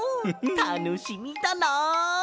たのしみだなあ！